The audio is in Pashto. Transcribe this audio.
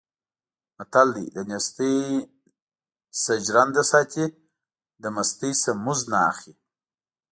متل دی: دنېستۍ نه ژرنده ساتي، د مستۍ نه مزد نه اخلي.